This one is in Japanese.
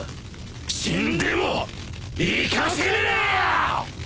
死んでも行かせねえ！！